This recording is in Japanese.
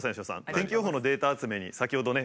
天気予報のデータ集めに先ほどね